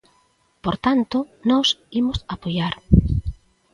Por tanto, nós imos apoiar.